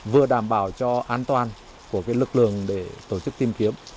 vừa đảm bảo cho an toàn của lực lượng để tổ chức tìm kiếm